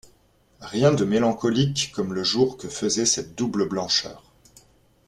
Rien de mélancolique comme le jour que faisait cette double blancheur.